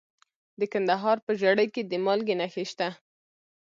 د کندهار په ژیړۍ کې د مالګې نښې شته.